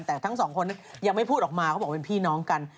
แต่ทั้งสองคนยังไม่พูดออกมาเขาบอกเป็นพี่น้องกัน